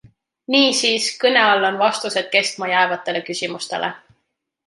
Niisiis, kõne all on vastused kestma jäävatele küsimustele.